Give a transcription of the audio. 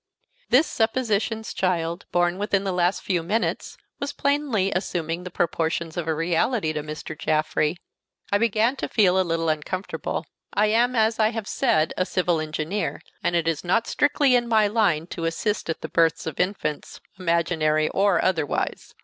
This suppositions child, born within the last few minutes, was plainly assuming the proportions of a reality to Mr. Jaffrey. I began to feel a little uncomfortable. I am, as I have said, a civil engineer, and it is not strictly in my line to assist at the births of infants, imaginary or otherwise.